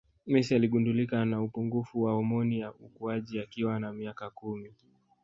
Messi aligundulika ana upungufu wa homoni ya ukuaji akiwa na miaka kumi